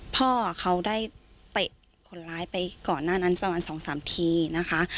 พ่อเขาได้เตะคนร้ายไปก่อนหน้านั้นประมาณ๒๓ทีนะคะ